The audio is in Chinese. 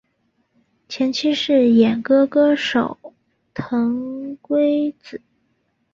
前妻是演歌歌手藤圭子。